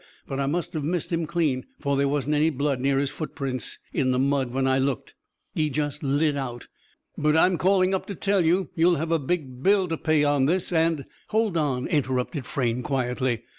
But I must have missed him, clean. For there wasn't any blood near his footprints, in the mud, when I looked. He just lit out. But I'm calling up to tell you you'll have a big bill to pay on this; and " "Hold on," interrupted Frayne, quietly.